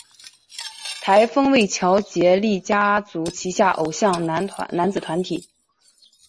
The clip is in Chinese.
台风为乔杰立家族旗下偶像男子团体。